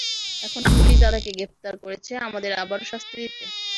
এখন পুলিশ দাদাকে গ্রেপ্তার করেছে আমাদের আবারও শাস্তি দিতে।